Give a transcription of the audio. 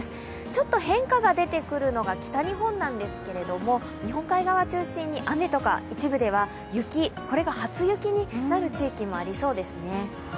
ちょっと変化が出てくるのが北日本なんですけれども、日本海側を中心に雨とか一部では雪、これが初雪になる地域もありそうですね。